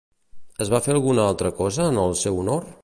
Es va fer alguna altra cosa en el seu honor?